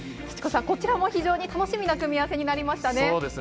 こちらも非常に楽しみな組み合わせになりましたね。